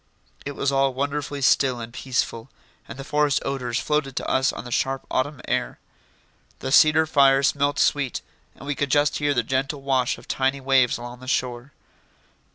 It was all wonderfully still and peaceful, and the forest odours floated to us on the sharp autumn air. The cedar fire smelt sweet and we could just hear the gentle wash of tiny waves along the shore.